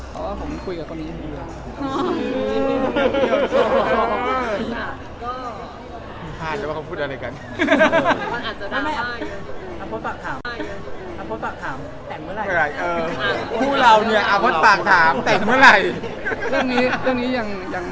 เขาคือผมคุยกับเกินนี้หรือก็อยู่ด้านหลัง